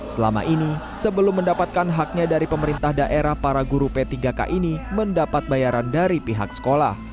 selama ini sebelum mendapatkan haknya dari pemerintah daerah para guru p tiga k ini mendapat bayaran dari pihak sekolah